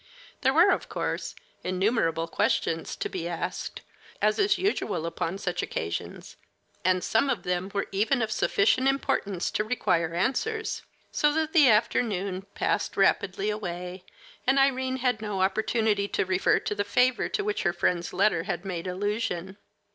There were, of course, innumerable questions to be asked, as is usual upon such occasions, and some of them were even of sufficient importance to require answers; so that the afternoon passed rapidly away, and Irene had no opportunity to refer to the favor to which her friend's letter had made allusion.